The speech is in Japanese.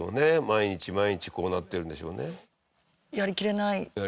毎日毎日こうなってるんでしょうね。